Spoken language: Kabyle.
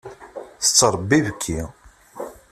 Tettṛebbi ibekki.